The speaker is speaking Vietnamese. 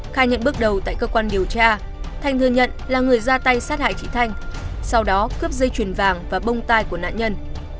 khai nhận bước đầu tại cơ quan điều tra thành thừa nhận là người ra tay sát hại chị thanh sau đó cướp dây chuyền vàng và bông tai của nạn nhân